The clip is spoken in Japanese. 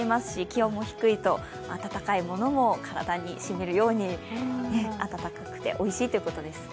気温も低いと温かいものも体にしみるように温かくておいしいということです。